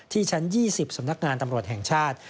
ชั้น๒๐สำนักงานตำรวจแห่งชาติ